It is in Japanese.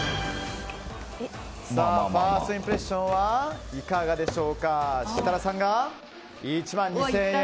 ファーストインプレッションは設楽さんが１万２０００円。